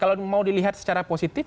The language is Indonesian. kalau mau dilihat secara positif